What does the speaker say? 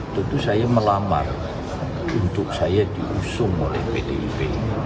tentu saya melamar untuk saya diusung oleh pdip